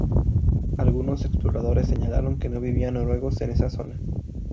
Algunos exploradores señalaron que no vivían noruegos en esa zona.